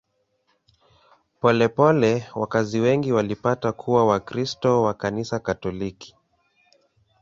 Polepole wakazi wengi walipata kuwa Wakristo wa Kanisa Katoliki.